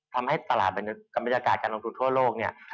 ทำให้ตลาดบรรยากาศการลงทุนทั่วโลกเนี่ย